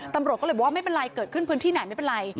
ตำรวจก็เลยบอกว่าไม่เป็นไรเกิดขึ้นพื้นที่ไหนไม่เป็นไร